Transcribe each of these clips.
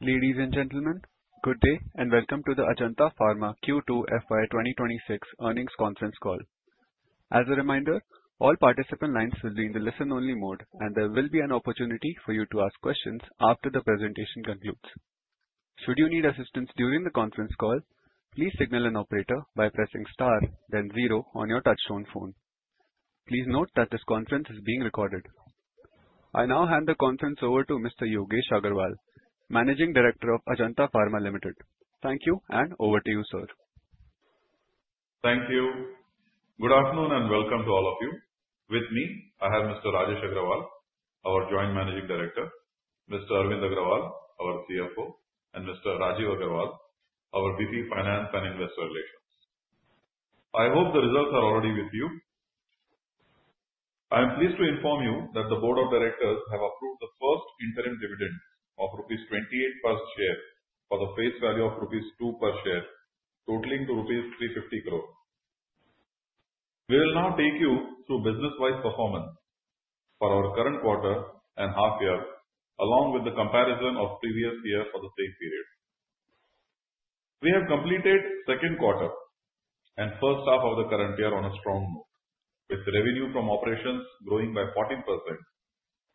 Ladies and gentlemen, good day and welcome to the Ajanta Pharma Q2 FY 2026 earnings conference call. As a reminder, all participant lines will be in the listen-only mode, and there will be an opportunity for you to ask questions after the presentation concludes. Should you need assistance during the conference call, please signal an operator by pressing star, then zero on your touch-tone phone. Please note that this conference is being recorded. I now hand the conference over to Mr. Yogesh Agrawal, Managing Director of Ajanta Pharma Limited. Thank you, and over to you, sir. Thank you. Good afternoon and welcome to all of you. With me, I have Mr. Rajesh Agrawal, our Joint Managing Director, Mr. Arvind Agrawal, our CFO, and Mr. Rajeev Agarwal, our VP Finance and Investor Relations. I hope the results are already with you. I am pleased to inform you that the Board of Directors have approved the first interim dividend of rupees 28 per share for the face value of rupees 2 per share, totaling to rupees 350 crore. We will now take you through business-wise performance for our current quarter and half-year, along with the comparison of previous year for the same period. We have completed second quarter and first half of the current year on a strong note, with revenue from operations growing by 14%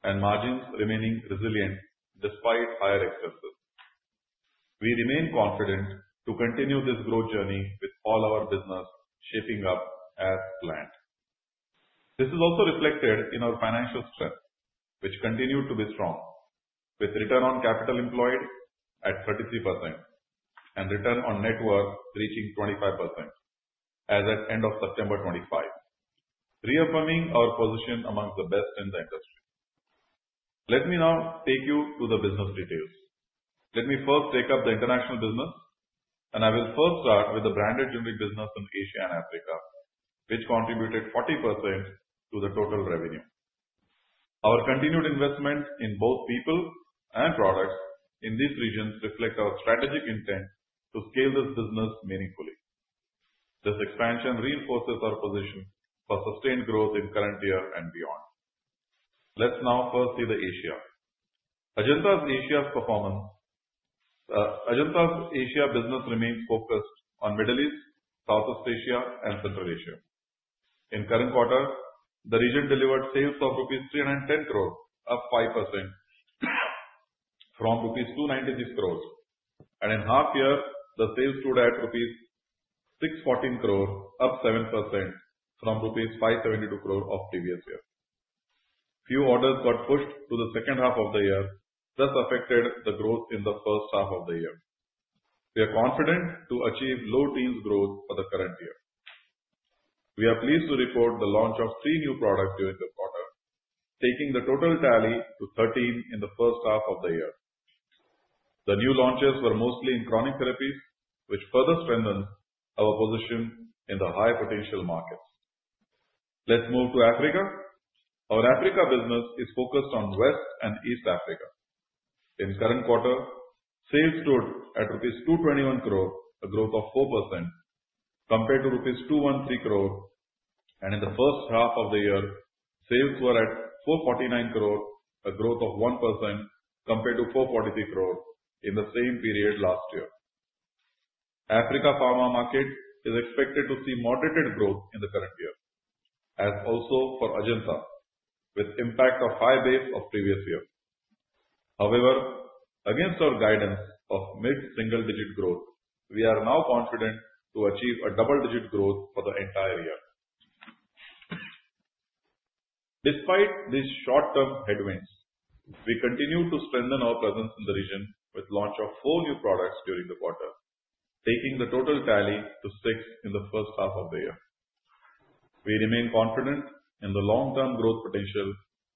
and margins remaining resilient despite higher expenses. We remain confident to continue this growth journey with all our business shaping up as planned. This is also reflected in our financial strength, which continued to be strong, with Return on Capital Employed at 33% and Return on Net Worth reaching 25% as at end of September 2025, reaffirming our position among the best in the industry. Let me now take you to the business details. Let me first take up the international business, and I will first start with the branded generics business in Asia and Africa, which contributed 40% to the total revenue. Our continued investment in both people and products in these regions reflects our strategic intent to scale this business meaningfully. This expansion reinforces our position for sustained growth in current year and beyond. Let's now first see the Asia. Ajanta's Asia business remains focused on the Middle East, Southeast Asia, and Central Asia. In current quarter, the region delivered sales of rupees 310 crore, up 5% from rupees 296 crore, and in half-year, the sales stood at rupees 614 crore, up 7% from rupees 572 crore of previous year. Few orders got pushed to the second half of the year, thus affecting the growth in the first half of the year. We are confident to achieve low teens growth for the current year. We are pleased to report the launch of three new products during the quarter, taking the total tally to 13 in the first half of the year. The new launches were mostly in chronic therapies, which further strengthens our position in the high-potential markets. Let's move to Africa. Our Africa business is focused on West and East Africa. In current quarter, sales stood at rupees 221 crore, a growth of 4% compared to rupees 213 crore, and in the first half of the year, sales were at 449 crore, a growth of 1% compared to 443 crore in the same period last year. Africa pharma market is expected to see moderated growth in the current year, as also for Ajanta, with impact of high base of previous year. However, against our guidance of mid-single-digit growth, we are now confident to achieve a double-digit growth for the entire year. Despite these short-term headwinds, we continue to strengthen our presence in the region with the launch of four new products during the quarter, taking the total tally to six in the first half of the year. We remain confident in the long-term growth potential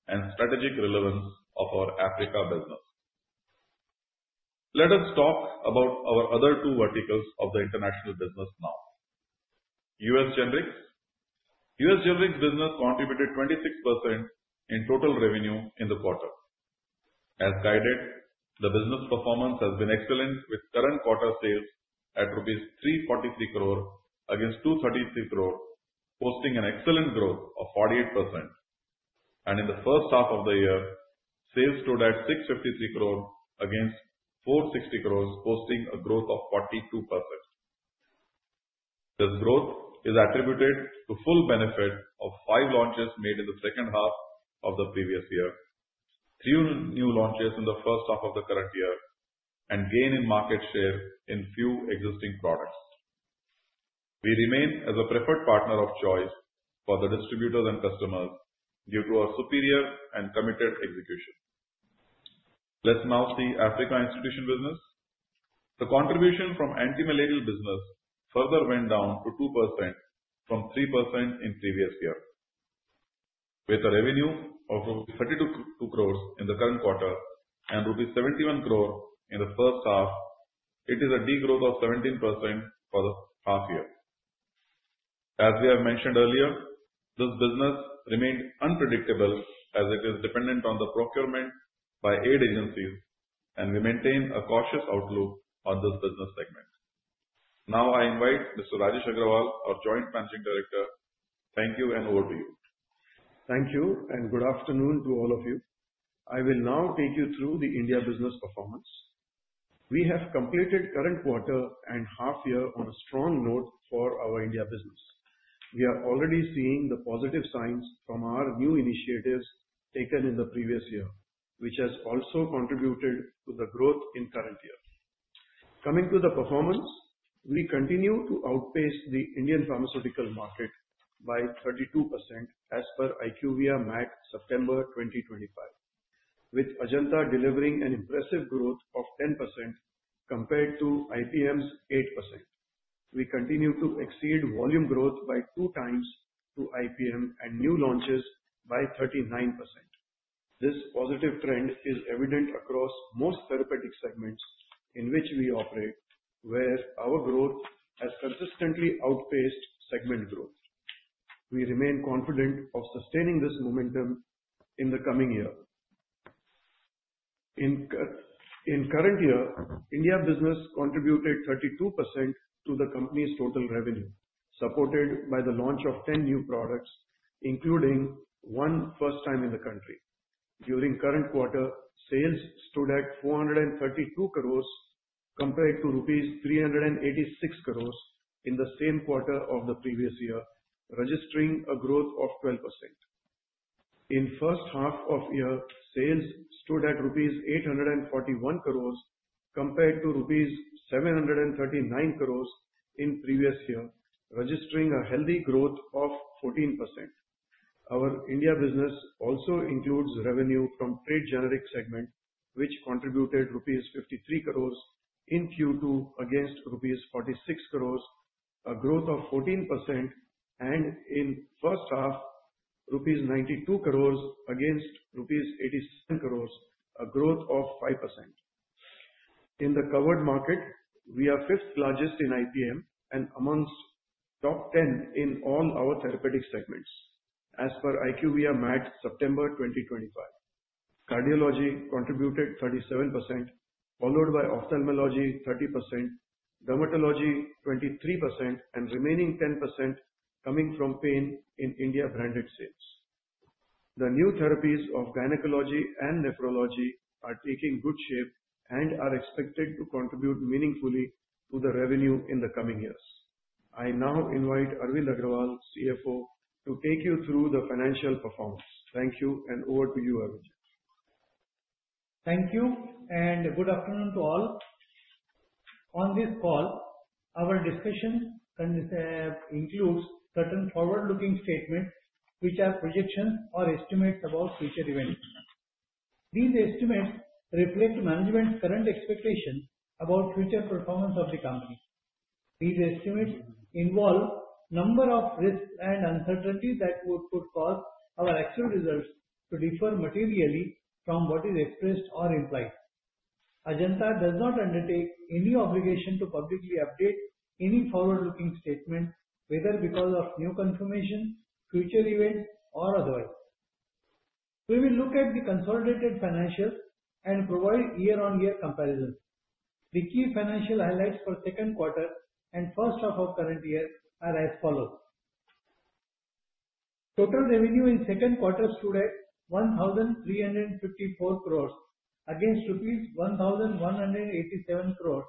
and strategic relevance of our Africa business. Let us talk about our other two verticals of the international business now. U.S. Generics. U.S. Generics business contributed 26% in total revenue in the quarter. As guided, the business performance has been excellent, with current quarter sales at rupees 343 crore against 233 crore, posting an excellent growth of 48%, and in the first half of the year, sales stood at 653 crore against 460 crore, posting a growth of 42%. This growth is attributed to full benefit of five launches made in the second half of the previous year, three new launches in the first half of the current year, and gain in market share in few existing products. We remain as a preferred partner of choice for the distributors and customers due to our superior and committed execution. Let's now see Africa Institutional business. The contribution from anti-malarial business further went down to 2% from 3% in previous year. With a revenue of rupees 32 crore in the current quarter and rupees 71 crore in the first half, it is a degrowth of 17% for the half-year. As we have mentioned earlier, this business remained unpredictable as it is dependent on the procurement by aid agencies, and we maintain a cautious outlook on this business segment. Now, I invite Mr. Rajesh Agrawal, our Joint Managing Director. Thank you, and over to you. Thank you, and good afternoon to all of you. I will now take you through the India business performance. We have completed current quarter and half-year on a strong note for our India business. We are already seeing the positive signs from our new initiatives taken in the previous year, which has also contributed to the growth in current year. Coming to the performance, we continue to outpace the Indian pharmaceutical market by 32% as per IQVIA MAT September 2025, with Ajanta delivering an impressive growth of 10% compared to IPM's 8%. We continue to exceed volume growth by two times to IPM and new launches by 39%. This positive trend is evident across most therapeutic segments in which we operate, where our growth has consistently outpaced segment growth. We remain confident of sustaining this momentum in the coming year. In current year, India business contributed 32% to the company's total revenue, supported by the launch of 10 new products, including one first-time in the country. During current quarter, sales stood at 432 crore compared to rupees 386 crore in the same quarter of the previous year, registering a growth of 12%. In first half of year, sales stood at rupees 841 crore compared to rupees 739 crore in previous year, registering a healthy growth of 14%. Our India business also includes revenue from trade generics segment, which contributed rupees 53 crore in Q2 against rupees 46 crore, a growth of 14%, and in first half, rupees 92 crore against rupees 87 crore, a growth of 5%. In the covered market, we are fifth largest in IPM and amongst top 10 in all our therapeutic segments as per IQVIA MAT September 2025. Cardiology contributed 37%, followed by ophthalmology 30%, dermatology 23%, and remaining 10% coming from pain in India branded sales. The new therapies of gynecology and nephrology are taking good shape and are expected to contribute meaningfully to the revenue in the coming years. I now invite Arvind Agrawal, CFO, to take you through the financial performance. Thank you, and over to you, Arvind. Thank you, and good afternoon to all. On this call, our discussion includes certain forward-looking statements, which are projections or estimates about future events. These estimates reflect management's current expectations about future performance of the company. These estimates involve a number of risks and uncertainties that could cause our actual results to differ materially from what is expressed or implied. Ajanta does not undertake any obligation to publicly update any forward-looking statements, whether because of new confirmation, future events, or otherwise. We will look at the consolidated financials and provide year-on-year comparisons. The key financial highlights for second quarter and first half of current year are as follows. Total revenue in second quarter stood at 1,354 crore against INR 1,187 crore,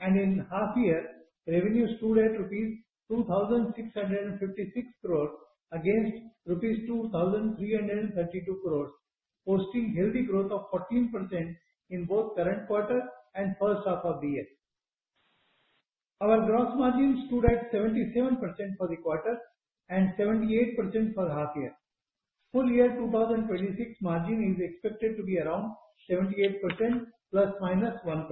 and in half-year, revenue stood at INR 2,656 crore against INR 2,332 crore, posting a healthy growth of 14% in both current quarter and first half of the year. Our gross margin stood at 77% for the quarter and 78% for the half-year. Full year 2026 margin is expected to be around 78% plus minus 1%.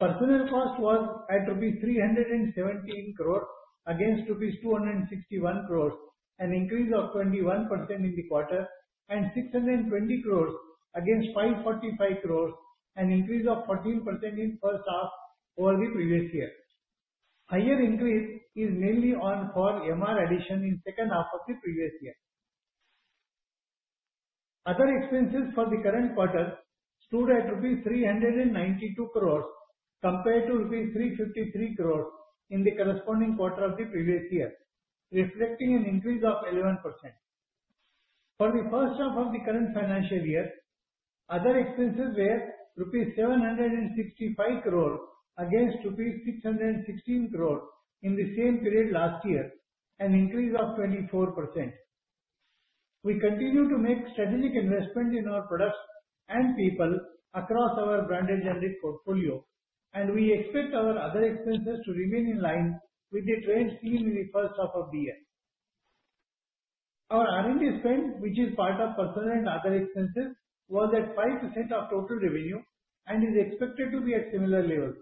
Personnel cost was at rupees 317 crore against rupees 261 crore, an increase of 21% in the quarter, and 620 crore against 545 crore, an increase of 14% in the first half over the previous year. Higher increase is mainly on for MR addition in the second half of the previous year. Other expenses for the current quarter stood at rupees 392 crore compared to rupees 353 crore in the corresponding quarter of the previous year, reflecting an increase of 11%. For the first half of the current financial year, other expenses were rupees 765 crore against rupees 616 crore in the same period last year, an increase of 24%. We continue to make strategic investment in our products and people across our branded generic portfolio, and we expect our other expenses to remain in line with the trends seen in the first half of the year. Our R&D spend, which is part of personnel and other expenses, was at 5% of total revenue and is expected to be at similar levels.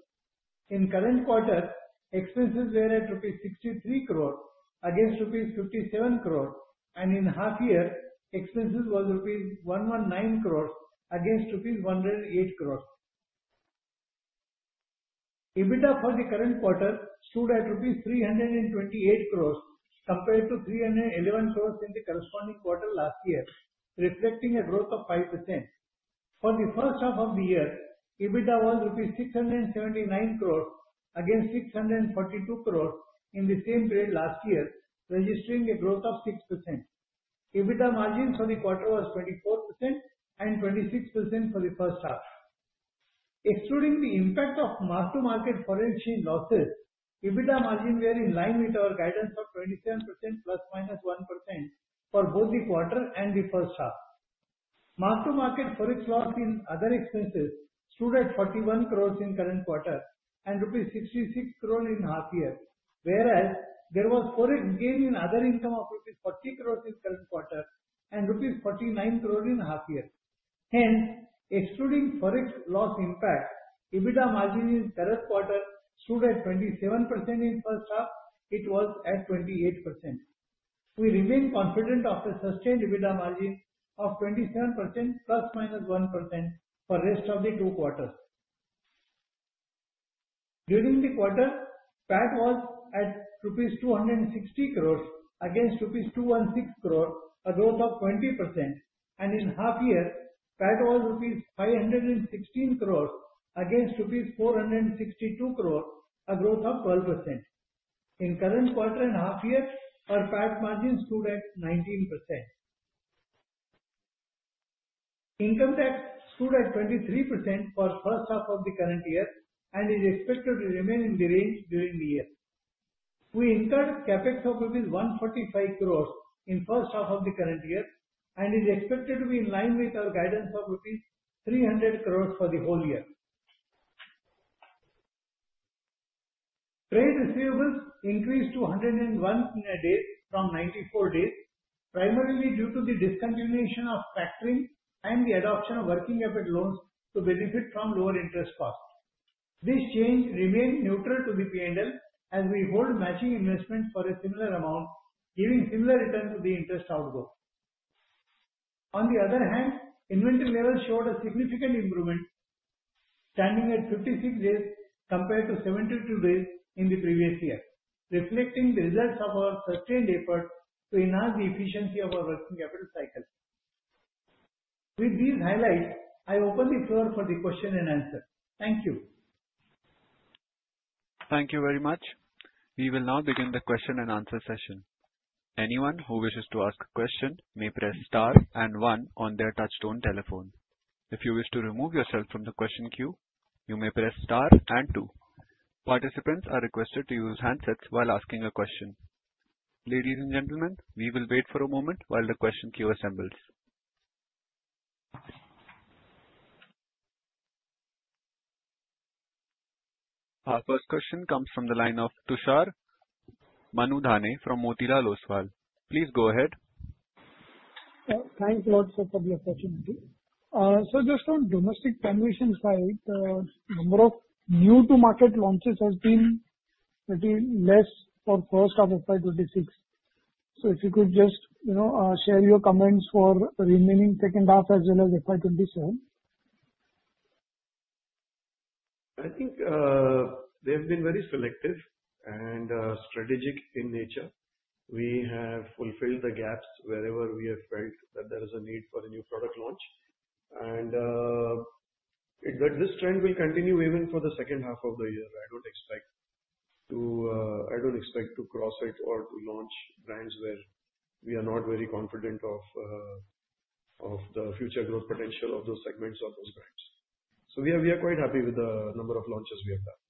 In current quarter, expenses were at rupees 63 crore against rupees 57 crore, and in half-year, expenses were rupees 119 crore against rupees 108 crore. EBITDA for the current quarter stood at rupees 328 crore compared to 311 crore in the corresponding quarter last year, reflecting a growth of 5%. For the first half of the year, EBITDA was rupees 679 crore against 642 crore in the same period last year, registering a growth of 6%. EBITDA margins for the quarter were 24% and 26% for the first half. Excluding the impact of mark-to-market foreign exchange losses, EBITDA margins were in line with our guidance of 27% plus minus 1% for both the quarter and the first half. Mark-to-market forex loss in other expenses stood at 41 crore in current quarter and rupees 66 crore in half-year, whereas there was forex gain in other income of rupees 40 crore in current quarter and rupees 49 crore in half-year. Hence, excluding forex loss impact, EBITDA margin in the third quarter stood at 27% in the first half. It was at 28%. We remain confident of a sustained EBITDA margin of 27% plus minus 1% for the rest of the two quarters. During the quarter, PAT was at rupees 260 crore against rupees 216 crore, a growth of 20%, and in half-year, PAT was rupees 516 crore against rupees 462 crore, a growth of 12%. In current quarter and half-year, our PAT margin stood at 19%. Income tax stood at 23% for the first half of the current year and is expected to remain in the range during the year. We incurred Capex of rupees 145 crore in the first half of the current year and is expected to be in line with our guidance of rupees 300 crore for the whole year. Trade receivables increased to 101 days from 94 days, primarily due to the discontinuation of factoring and the adoption of working capital loans to benefit from lower interest costs. This change remained neutral to the P&L as we hold matching investments for a similar amount, giving similar return to the interest outgo. On the other hand, inventory levels showed a significant improvement, standing at 56 days compared to 72 days in the previous year, reflecting the results of our sustained effort to enhance the efficiency of our working capital cycle. With these highlights, I open the floor for the question and answer. Thank you. Thank you very much. We will now begin the question and answer session. Anyone who wishes to ask a question may press star and one on their touch-tone telephone. If you wish to remove yourself from the question queue, you may press star and two. Participants are requested to use handsets while asking a question. Ladies and gentlemen, we will wait for a moment while the question queue assembles. Our first question comes from the line of Tushar Manudhane from Motilal Oswal. Please go ahead. Sir, thanks a lot for the opportunity. So just on domestic formulation side, the number of new-to-market launches has been less for the first half of FY26. So if you could just share your comments for the remaining second half as well as FY27? I think they have been very selective and strategic in nature. We have fulfilled the gaps wherever we have felt that there is a need for a new product launch. And this trend will continue even for the second half of the year. I don't expect to cross it or to launch brands where we are not very confident of the future growth potential of those segments or those brands. So we are quite happy with the number of launches we have done.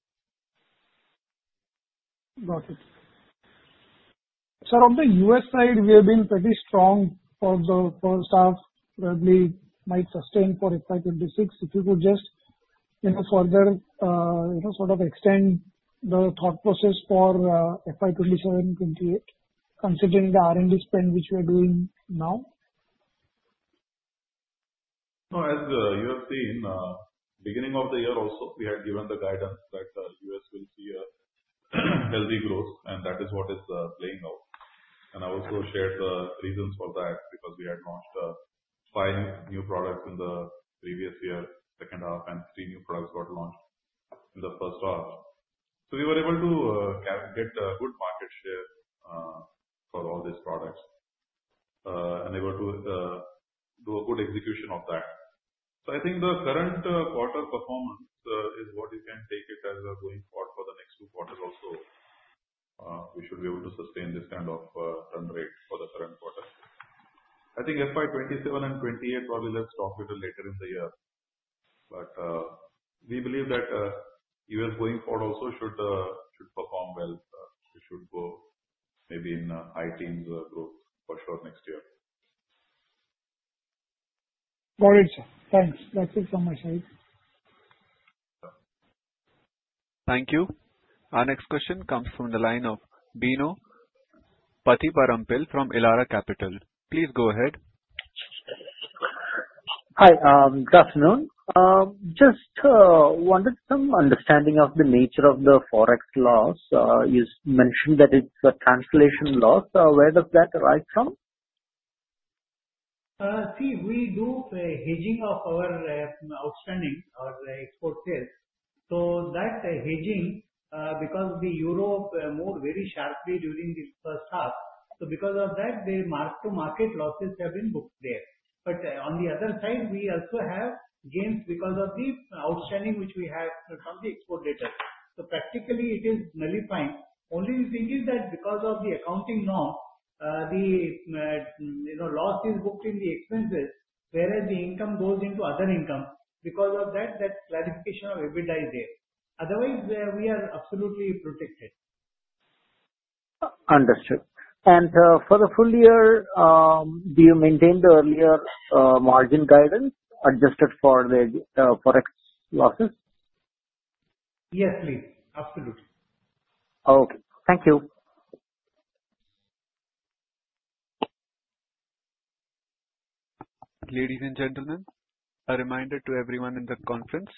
Got it. Sir, on the U.S. side, we have been pretty strong for the first half, probably might sustain for FY26. If you could just further sort of extend the thought process for FY27, 28, considering the R&D spend which we are doing now. No, as you have seen, beginning of the year also, we had given the guidance that the U.S. will see a healthy growth, and that is what is playing out. And I also shared the reasons for that because we had launched five new products in the previous year, second half, and three new products got launched in the first half. So we were able to get a good market share for all these products and able to do a good execution of that. So I think the current quarter performance is what you can take it as we are going forward for the next two quarters also. We should be able to sustain this kind of run rate for the current quarter. I think FY 2027 and 2028, probably let's talk a little later in the year. But we believe that U.S. going forward also should perform well. We should go maybe in high teens growth for sure next year. Got it, sir. Thanks. That's it from my side. Thank you. Our next question comes from the line of Bino Pathiparampil from Elara Capital. Please go ahead. Hi, good afternoon. Just wanted some understanding of the nature of the forex loss. You mentioned that it's a translation loss. Where does that arise from? See, we do hedging of our outstanding or export sales, so that hedging, because the euro moved very sharply during this first half, so because of that, the mark-to-market losses have been booked there, but on the other side, we also have gains because of the outstanding which we have from the export debt, so practically, it is nullifying. Only the thing is that because of the accounting norm, the loss is booked in the expenses, whereas the income goes into other income. Because of that, that classification of EBITDA is there. Otherwise, we are absolutely protected. Understood. And for the full year, do you maintain the earlier margin guidance adjusted for the forex losses? Yes, please. Absolutely. Okay. Thank you. Ladies and gentlemen, a reminder to everyone in the conference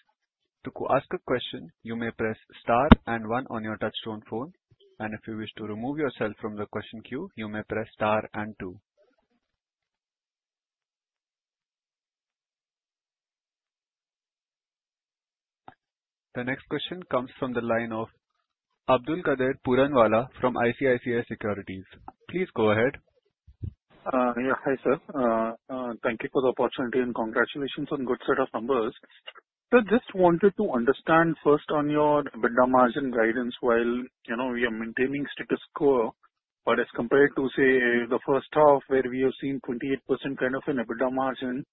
to ask a question. You may press star and one on your touch-tone phone. And if you wish to remove yourself from the question queue, you may press star and two. The next question comes from the line of Abdulkader Puranwala from ICICI Securities. Please go ahead. Yeah, hi sir. Thank you for the opportunity and congratulations on a good set of numbers. I just wanted to understand first on your EBITDA margin guidance while we are maintaining status quo. But as compared to, say, the first half where we have seen 28% kind of an EBITDA margin,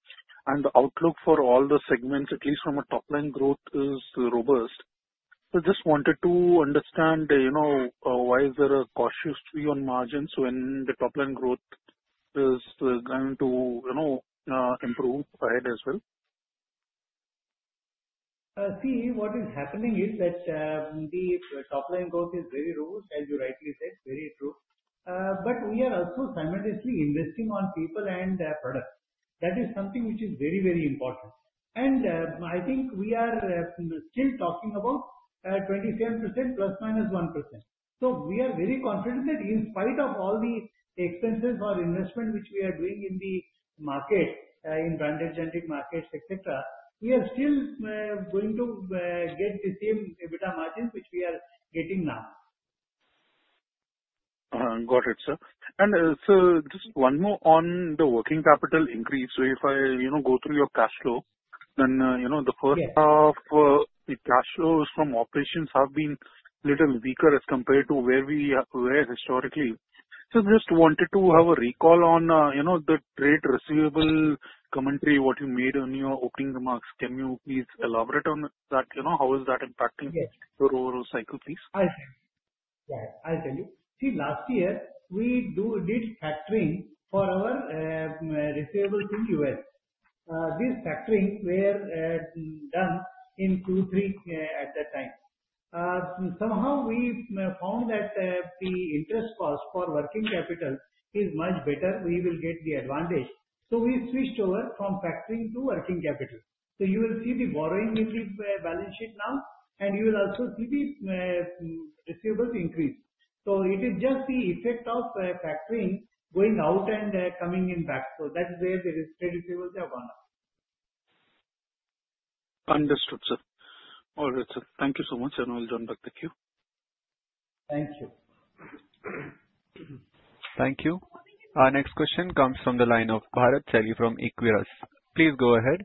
and the outlook for all the segments, at least from a top-line growth, is robust. So I just wanted to understand why is there a cautious view on margins when the top-line growth is going to improve ahead as well? See, what is happening is that the top-line growth is very robust, as you rightly said. Very true. But we are also simultaneously investing on people and products. That is something which is very, very important. And I think we are still talking about 27% plus minus 1%. So we are very confident that in spite of all the expenses or investment which we are doing in the market, in branded generic markets, etc., we are still going to get the same EBITDA margin which we are getting now. Got it, sir. And so just one more on the working capital increase. So if I go through your cash flow, then the first half, the cash flows from operations have been a little weaker as compared to where we were historically. So just wanted to have a recall on the trade receivable commentary, what you made on your opening remarks. Can you please elaborate on that? How is that impacting your overall cycle, please? Yes. Yeah, I'll tell you. See, last year, we did factoring for our receivables in the U.S. This factoring was done in Q3 at that time. Somehow, we found that the interest cost for working capital is much better. We will get the advantage. So we switched over from factoring to working capital. So you will see the borrowing in the balance sheet now, and you will also see the receivables increase. So it is just the effect of factoring going out and coming in back. So that's where the trade receivables have gone up. Understood, sir. All right, sir. Thank you so much, and I'll turn back the queue. Thank you. Thank you. Our next question comes from the line of Bharat Celly from Equirus. Please go ahead.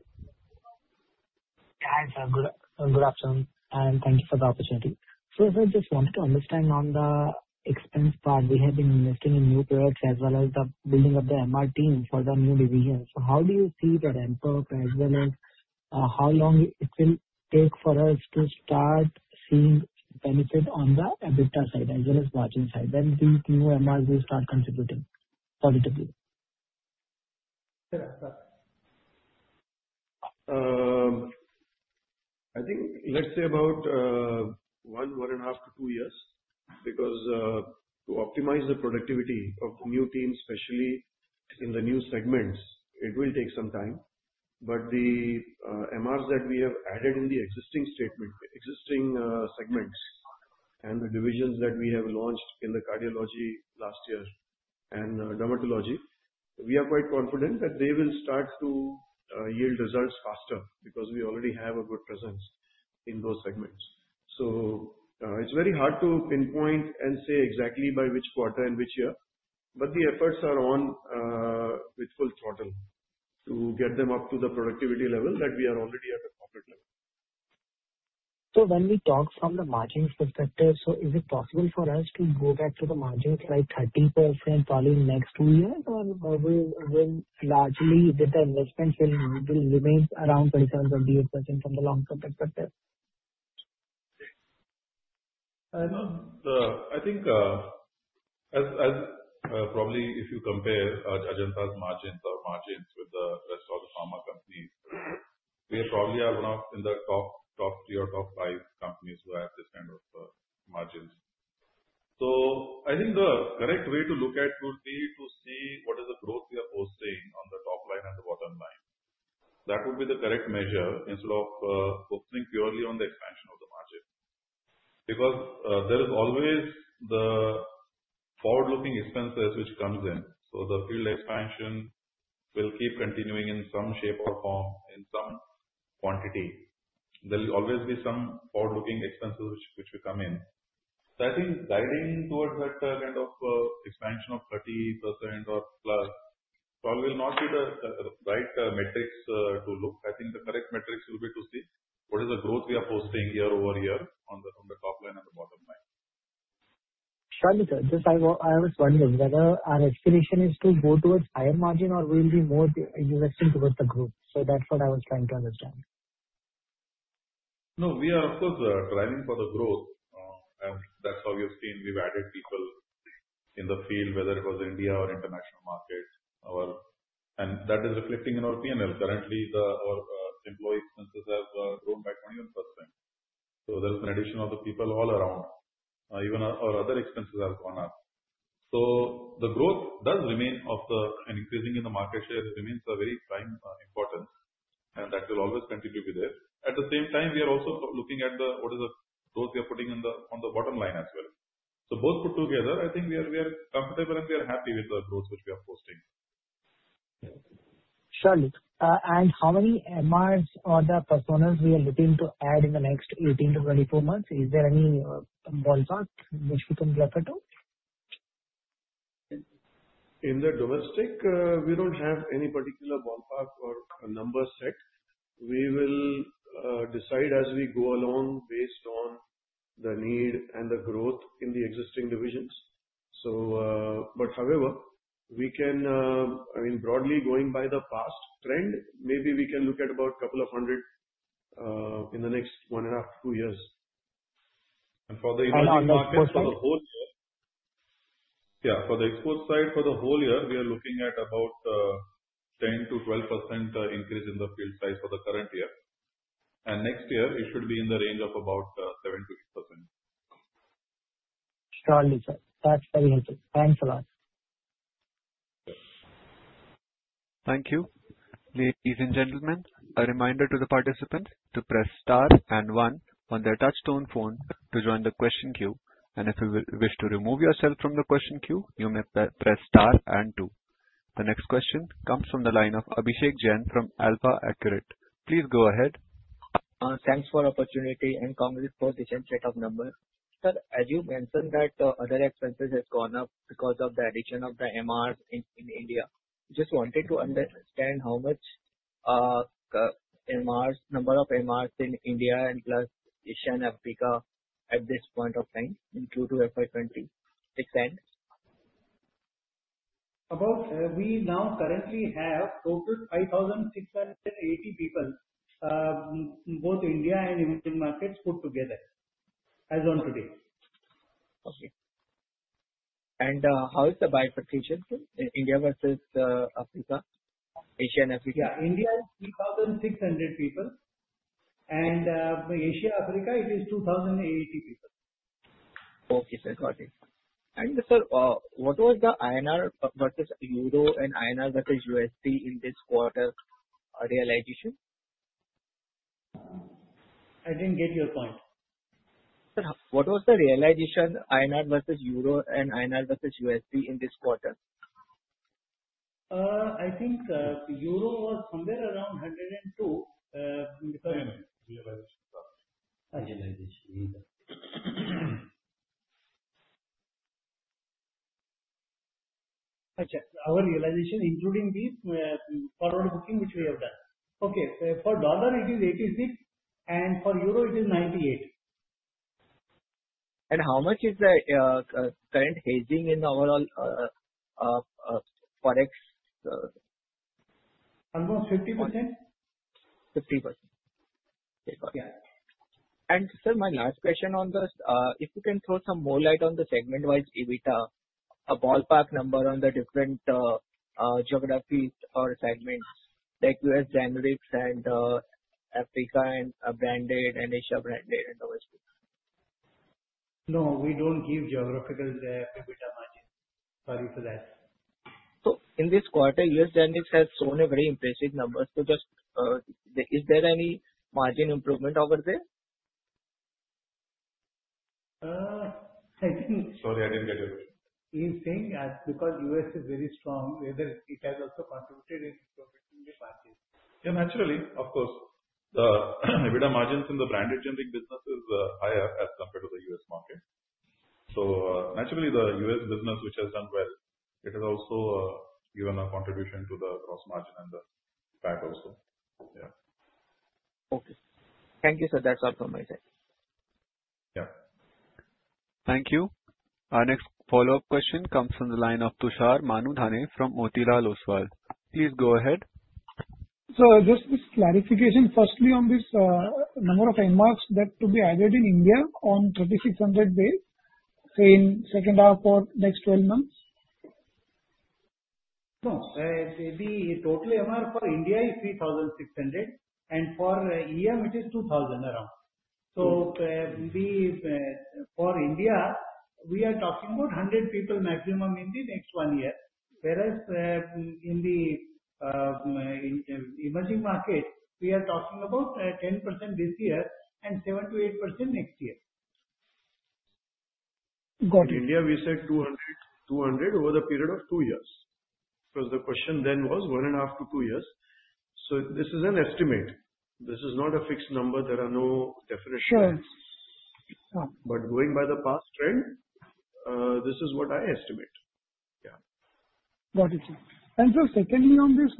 Hi, sir. Good afternoon. And thank you for the opportunity. So I just wanted to understand on the expense part. We have been investing in new products as well as the building of the MR team for the new divisions. So how do you see that impact as well as how long it will take for us to start seeing benefit on the EBITDA side as well as margin side when these new MRs will start contributing positively? I think, let's say, about one, one and a half to two years because to optimize the productivity of the new teams, especially in the new segments, it will take some time. But the MRs that we have added in the existing segments and the divisions that we have launched in the Cardiology last year and Dermatology, we are quite confident that they will start to yield results faster because we already have a good presence in those segments. So it's very hard to pinpoint and say exactly by which quarter and which year. But the efforts are on with full throttle to get them up to the productivity level that we are already at a corporate level. When we talk from the margins perspective, so is it possible for us to go back to the margins like 30% probably next two years or largely that the investment will remain around 27%, 28% from the long-term perspective? I think probably if you compare Ajanta's margins or margins with the rest of the pharma companies, we probably are one of the top three or top five companies who have this kind of margins. So I think the correct way to look at would be to see what is the growth we are posting on the top line and the bottom line. That would be the correct measure instead of focusing purely on the expansion of the margin. Because there is always the forward-looking expenses which comes in. So the margin expansion will keep continuing in some shape or form, in some quantity. There will always be some forward-looking expenses which will come in. So I think guiding towards that kind of expansion of 30% or plus probably will not be the right metrics to look. I think the correct metrics will be to see what is the growth we are posting year over year on the top line and the bottom line. Sorry, sir. Just I was wondering whether our expectation is to go towards higher margin or we will be more investing towards the growth. So that's what I was trying to understand. No, we are of course driving for the growth, and that's how we have seen we've added people in the field, whether it was India or international markets, and that is reflecting in our P&L. Currently, our employee expenses have grown by 21%, so there is an addition of the people all around. Even our other expenses have gone up, so the growth does remain of the and increasing in the market share remains a very prime importance, and that will always continue to be there. At the same time, we are also looking at what is the growth we are putting on the bottom line as well, so both put together, I think we are comfortable and we are happy with the growth which we are posting. Sure. And how many MRs or the persons we are looking to add in the next 18-24 months? Is there any ballpark which we can refer to? In the domestic, we don't have any particular ballpark or number set. We will decide as we go along based on the need and the growth in the existing divisions. But however, we can, I mean, broadly going by the past trend, maybe we can look at about a couple of hundred in the next one and a half to two years. And for the export side, for the whole year, yeah, we are looking at about 10%-12% increase in the field size for the current year. And next year, it should be in the range of about 7%-8%. Surely, sir. That's very helpful. Thanks a lot. Thank you. Ladies and gentlemen, a reminder to the participants to press star and one on their touch-tone phone to join the question queue. And if you wish to remove yourself from the question queue, you may press star and two. The next question comes from the line of Abhishek Jain from AlfAccurate Advisors. Please go ahead. Thanks for the opportunity and congrats for this insight of number. Sir, as you mentioned that other expenses have gone up because of the addition of the MRs in India. Just wanted to understand how much number of MRs in India and plus Asia and Africa at this point of time due to FY20 expense? We now currently have total 5,680 people, both India and Indian markets put together as of today. Okay. And how is the bifurcation? India versus Africa, Asia and Africa. Yeah. India is 3,600 people, and Asia, Africa, it is 2,080 people. Okay, sir. Got it. And sir, what was the INR versus Euro and INR versus USD in this quarter realization? I didn't get your point. Sir, what was the realization INR versus euro and INR versus USD in this quarter? I think euro was somewhere around 102 because. Realization. Realization. Our realization including these forward booking which we have done. Okay. For dollar, it is 86. And for euro, it is 98. And how much is the current hedging in the overall forex? Almost 50%. 50%. Okay. Got it. And sir, my last question on this, if you can throw some more light on the segment-wise EBITDA, a ballpark number on the different geographies or segments like U.S. generics and Africa and branded and Asia branded and USD? No, we don't give geographical EBITDA margin. Sorry for that. So in this quarter, U.S. Generics has shown a very impressive number. So just, is there any margin improvement over there? I think. Sorry, I didn't get you. You're saying because U.S. is very strong, whether it has also contributed in improving the margin? Yeah, naturally. Of course. The EBITDA margins in the branded generic business is higher as compared to the U.S. market. So naturally, the U.S. business which has done well, it has also given a contribution to the gross margin and the PAT also. Yeah. Okay. Thank you, sir. That's all from my side. Yeah. Thank you. Our next follow-up question comes from the line of Tushar Manudhane from Motilal Oswal. Please go ahead. Sir, just this clarification. Firstly, on this number of MRs that to be added in India on 3,600 base, say in second half or next 12 months? No. Maybe total MR for India is 3,600. And for EM, it is around 2,000. So for India, we are talking about 100 people maximum in the next one year. Whereas in the emerging market, we are talking about 10% this year and 7%-8% next year. Got it. In India, we said 200 over the period of two years. Because the question then was one and a half to two years. So this is an estimate. This is not a fixed number. There are no definitions. But going by the past trend, this is what I estimate. Yeah. Got it, sir. And sir, secondly, on this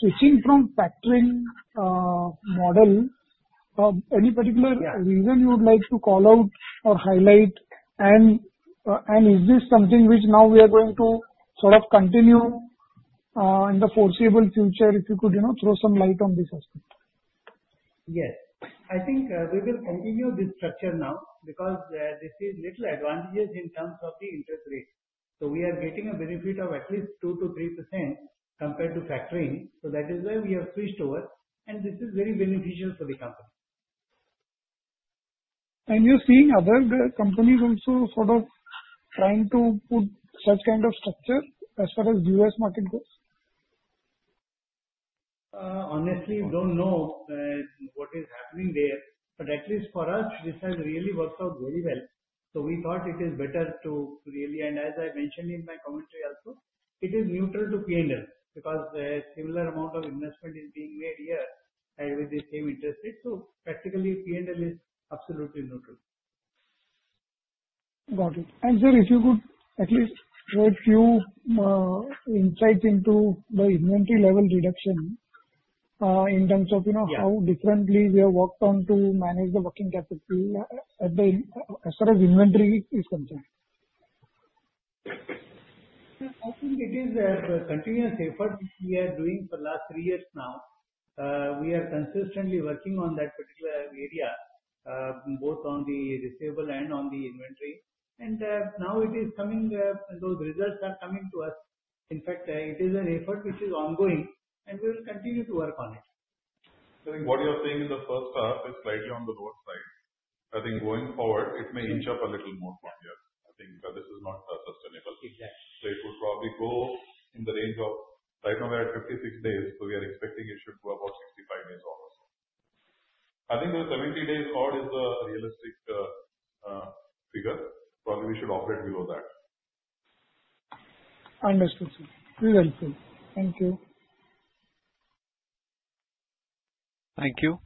switching from factoring model, any particular reason you would like to call out or highlight? And is this something which now we are going to sort of continue in the foreseeable future if you could throw some light on this aspect? Yes. I think we will continue this structure now because this is little advantageous in terms of the interest rate. So we are getting a benefit of at least 2%-3% compared to factoring. So that is why we have switched over. And this is very beneficial for the company. You're seeing other companies also sort of trying to put such kind of structure as far as the U.S. market goes? Honestly, don't know what is happening there. But at least for us, this has really worked out very well. So we thought it is better to really, and as I mentioned in my commentary also, it is neutral to P&L because a similar amount of investment is being made here with the same interest rate. So practically, P&L is absolutely neutral. Got it. And sir, if you could at least throw a few insights into the inventory level reduction in terms of how differently we have worked on to manage the working capital as far as inventory is concerned. I think it is the continuous effort we are doing for the last three years now. We are consistently working on that particular area, both on the receivable and on the inventory. And now it is coming, those results are coming to us. In fact, it is an effort which is ongoing. And we will continue to work on it. I think what you are saying in the first half is slightly on the lower side. I think going forward, it may inch up a little more from here. I think this is not sustainable. Exactly. So, it will probably go in the range of right now we're at 56 days. So, we are expecting it should go about 65 days or so. I think the 70-day record is the realistic figure. Probably we should operate below that. Understood, sir. This is helpful. Thank you. Thank you.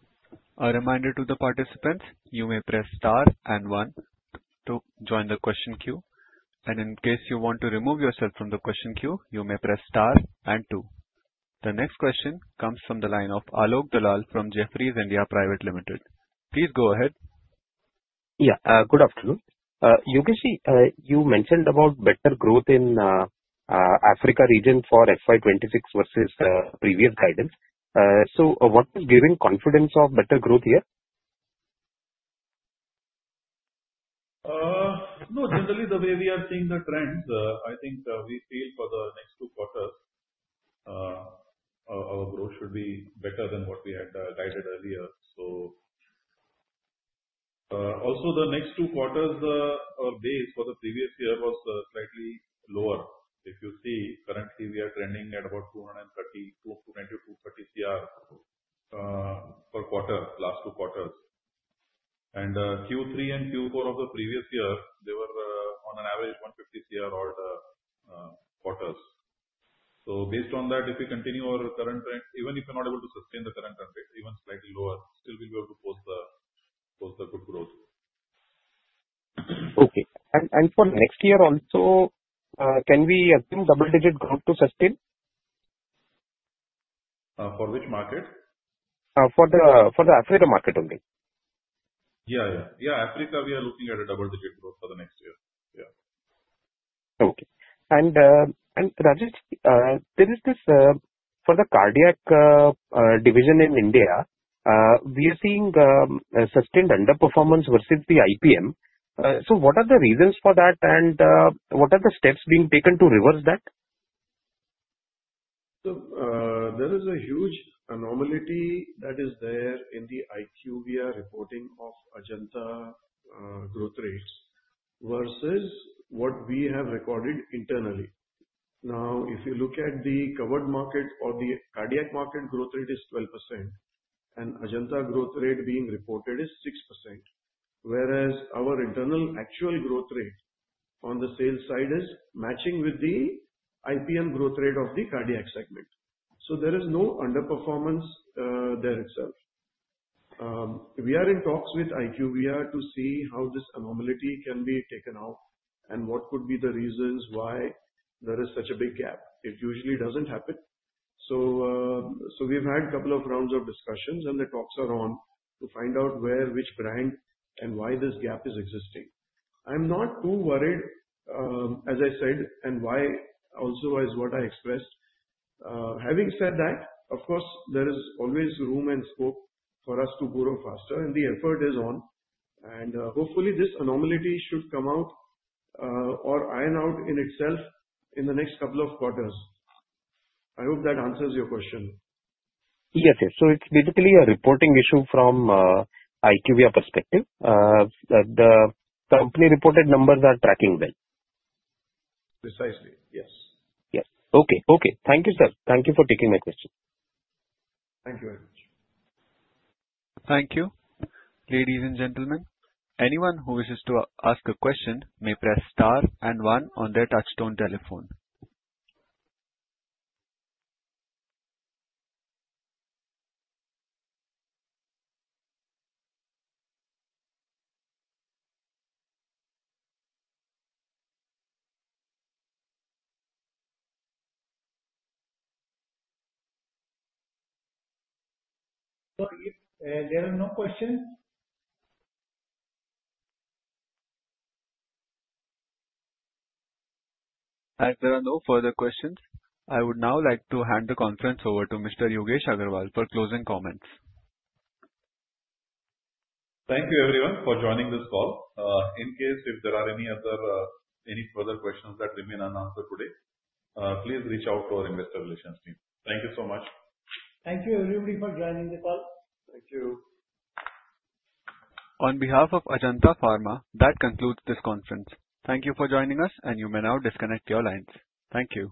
A reminder to the participants. You may press star and one to join the question queue, and in case you want to remove yourself from the question queue, you may press star and two. The next question comes from the line of Alok Dalal from Jefferies India Private Limited. Please go ahead. Yeah. Good afternoon. Yogesh, you mentioned about better growth in Africa region for FY26 versus the previous guidance. So what is giving confidence of better growth here? No. Generally, the way we are seeing the trends, I think we feel for the next two quarters, our growth should be better than what we had guided earlier. So, also, the next two quarters' base for the previous year was slightly lower. If you see, currently, we are trending at about 230 to 230 CR per quarter, last two quarters. Q3 and Q4 of the previous year, they were on an average 150 CR all the quarters. So, based on that, if we continue our current trend, even if we're not able to sustain the current trend rate, even slightly lower, still we'll be able to post the good growth. Okay. And for next year also, can we assume double-digit growth to sustain? For which market? For the Africa market only. Yeah, yeah. Yeah, Africa, we are looking at a double-digit growth for the next year. Yeah. Okay. And Rajesh, there is this for the cardiology division in India. We are seeing sustained underperformance versus the IPM. So what are the reasons for that? And what are the steps being taken to reverse that? So there is a huge anomaly that is there in the IQVIA reporting of Ajanta growth rates versus what we have recorded internally. Now, if you look at the covered market or the cardiac market, growth rate is 12%. And Ajanta growth rate being reported is 6%. Whereas our internal actual growth rate on the sales side is matching with the IPM growth rate of the cardiac segment. So there is no underperformance there itself. We are in talks with IQVIA to see how this anomaly can be taken out and what could be the reasons why there is such a big gap. It usually doesn't happen. So we've had a couple of rounds of discussions, and the talks are on to find out where which brand and why this gap is existing. I'm not too worried, as I said, and why also is what I expressed. Having said that, of course, there is always room and scope for us to grow faster. And the effort is on. And hopefully, this anomaly should come out or iron out in itself in the next couple of quarters. I hope that answers your question. Yes, sir. So it's basically a reporting issue from IQVIA perspective. The company reported numbers are tracking well. Precisely. Yes. Yes. Okay. Okay. Thank you, sir. Thank you for taking my question. Thank you very much. Thank you. Ladies and gentlemen, anyone who wishes to ask a question may press star and one on their touch-tone telephone. There are no questions. There are no further questions. I would now like to hand the conference over to Mr. Yogesh Agrawal for closing comments. Thank you, everyone, for joining this call. In case if there are any further questions that remain unanswered today, please reach out to our investor relations team. Thank you so much. Thank you, everybody, for joining the call. Thank you. On behalf of Ajanta Pharma, that concludes this conference. Thank you for joining us, and you may now disconnect your lines. Thank you.